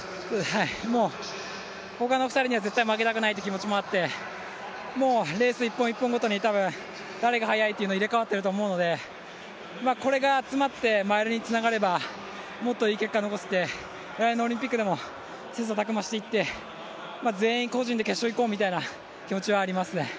もうほかの２人には絶対負けたくないって気持ちもあって、レース１本１本ごとに誰が速いというのは入れ替わっていると思うので、これがつまって周りにつなげれば、いい影響が与えられるので、来年のオリンピックでも切磋琢磨していって、全員個人で決勝に行こういう気持ちはありますね。